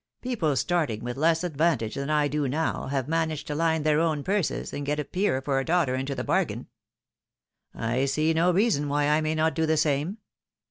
People starting with less advantage than I do now, have managed to line their own purses, and get a peer for a daughter into the bargain. I see no reason why I may not do the same.